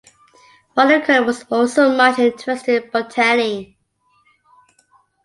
Father Curley was also much interested in botany.